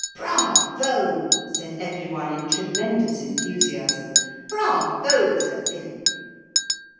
'Bravo!' said every one in tremendous enthusiasm. 'Bravo! Sir Philip.'